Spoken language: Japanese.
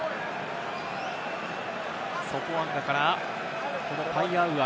ソポアンガからパイアアウア。